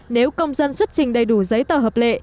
nếu công dân xuất trình đầy đủ giấy tờ hợp lệ